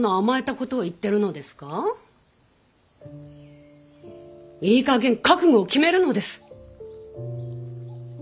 いいかげん覚悟を決めるのです。